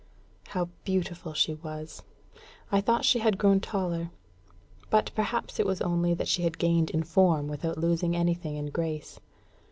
How beautiful she was! I thought she had grown taller; but, perhaps, it was only that she had gained in form without losing anything in grace.